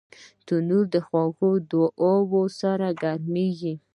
تنور د خوږو دعاوو سره ګرمېږي